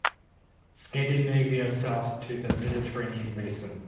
Scandinavia south to the Mediterranean basin.